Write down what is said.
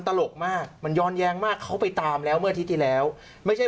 ตลกมากมันย้อนแย้งมากเขาไปตามแล้วเมื่ออาทิตย์ที่แล้วไม่ใช่